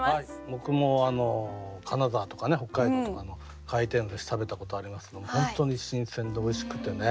僕も金沢とか北海道とかの回転寿司食べたことありますけども本当に新鮮でおいしくてね